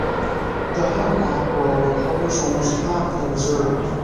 The hemlock grove covers almost half the reserve.